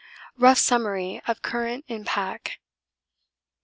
Rough Summary of Current in Pack Dec.